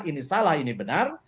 ini salah ini benar